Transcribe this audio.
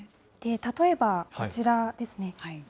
例えばこちらですね。